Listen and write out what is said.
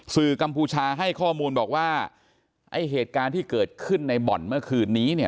กัมพูชาให้ข้อมูลบอกว่าไอ้เหตุการณ์ที่เกิดขึ้นในบ่อนเมื่อคืนนี้เนี่ย